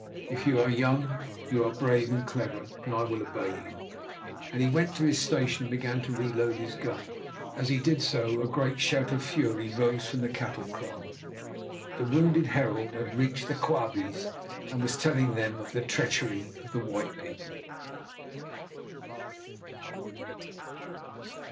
If you are young you are brave and clever, and I will obey you," and he went to his station and began to re load his gun. As he did so a great shout of fury rose from the cattle kraal. The wounded herald had reached the Quabies and was telling them of the treachery of the white people.